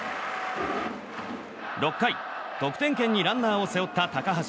６回、得点圏にランナーを背負った高橋。